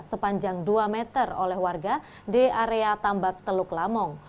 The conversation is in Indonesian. sepanjang dua meter oleh warga di area tambak teluk lamong